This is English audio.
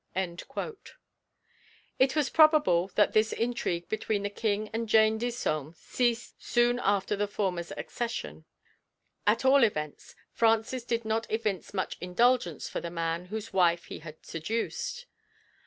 It is probable that this intrigue between the King and Jane Disome ceased soon after the former's accession; at all events Francis did not evince much indulgence for the man whose wife he had seduced.